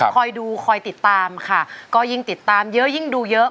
คอยดูคอยติดตามค่ะก็ยิ่งติดตามเยอะยิ่งดูเยอะ